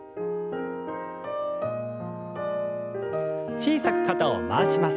小さく肩を回します。